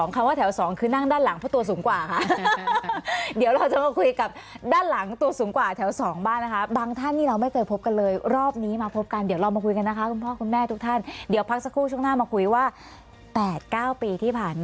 คำว่าแถว๒คือนั่งด้านหลังเพราะตัวสูงกว่าค่ะ